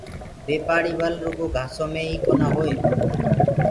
بي پآڙيِ ول رُگو گھآسو مي ئي ڪونآ هئي۔